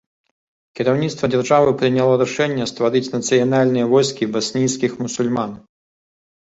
Кіраўніцтва дзяржавы прыняло рашэнне стварыць нацыянальныя войскі баснійскіх мусульман.